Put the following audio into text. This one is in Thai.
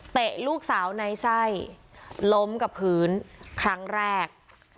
ลูกสาวในไส้ล้มกับพื้นครั้งแรก